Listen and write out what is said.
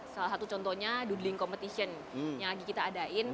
salah satu contohnya dudling competition yang lagi kita adain